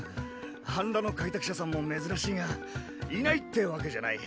半裸の開拓者さんも珍しいがいないってわけじゃない。